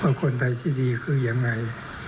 คนไทยที่ดีคือยังไง